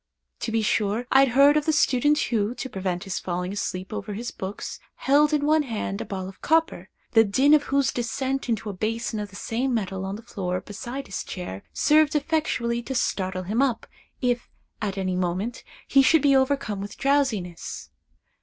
To be sure, I had heard of the student who, to prevent his falling asleep over his books, held in one hand a ball of copper, the din of whose descent into a basin of the same metal on the floor beside his chair, served effectually to startle him up, if, at any moment, he should be overcome with drowsiness.